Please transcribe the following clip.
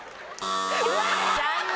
残念。